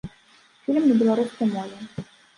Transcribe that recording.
Фільм на беларускай мове.